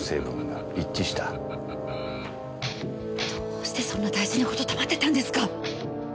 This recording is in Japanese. どうしてそんな大事な事黙ってたんですか？